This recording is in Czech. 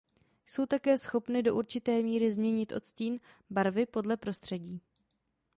Jsou také schopny do určité míry změnit odstín barvy podle prostředí.